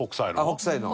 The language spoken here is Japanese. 北斎の。